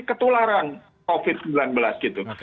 ketularan covid sembilan belas gitu